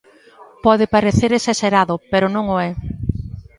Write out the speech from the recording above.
Pode parecer exaxerado, pero non o é.